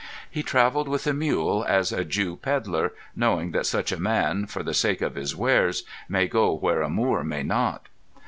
He travelled with a mule as a Jew pedlar, knowing that such a man, for the sake of his wares, may go where a Moor may not.